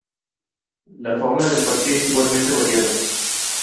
La fauna del parque es igualmente variada.